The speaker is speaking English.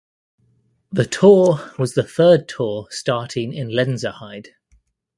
The tour was the third tour starting in Lenzerheide.